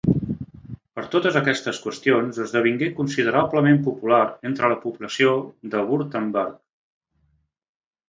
Per totes aquestes qüestions esdevingué considerablement popular entre la població de Württemberg.